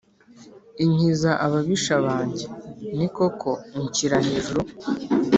Inkiza ababisha banjye Ni koko unshyira hejuru